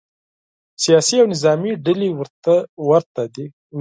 سیاسي او نظامې ډلې ورته وي.